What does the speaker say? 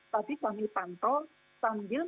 tapi kami pantau sambil